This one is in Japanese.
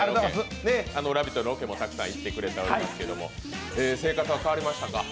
「ラヴィット！」のロケもたくさん行ってくれてますけれども生活は変わりましたか？